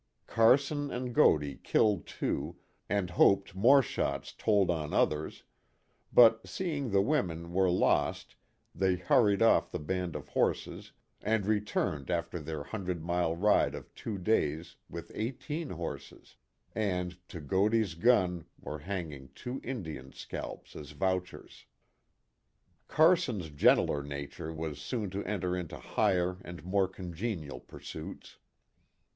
Carson and Godey killed two and hoped more shots told on others, but seeing the women were lost they hurried off the band of horses and returned after their hundred mile ride of two days with eighteen horses; and, to Godey's gun were hanging two Indian scalps as vouchers. Carson's gentler nature was soon to enter into higher and more congenial pursuits.